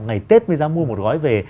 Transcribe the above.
ngày tết mới dám mua một gói về